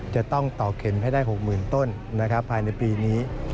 จะต้องต่อเข็มให้ได้๖๐๐๐ต้นภายในปีนี้